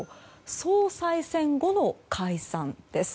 総裁選後の解散です。